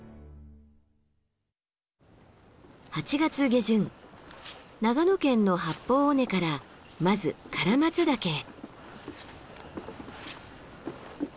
８月下旬長野県の八方尾根からまず唐松岳へ。